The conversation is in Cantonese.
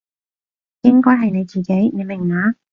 應該係你自己，你明嘛？